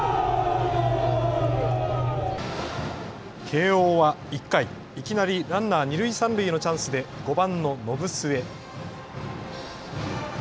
慶応は１回、いきなりランナー二塁三塁のチャンスで５番の延末。